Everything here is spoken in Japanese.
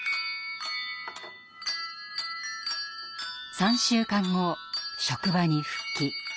３週間後職場に復帰。